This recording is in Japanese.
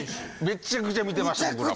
めちゃくちゃ観てましたよ